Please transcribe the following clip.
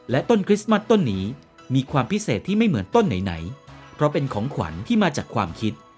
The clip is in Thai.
ต้นคริสต์มัสต้นนี้มีความพิเศษที่ไม่เหมือนต้นไหนเพราะเป็นของขวัญที่มาจากความคิด